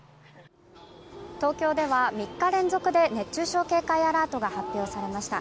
東京では３日連続で熱中症警戒アラートが発表されました。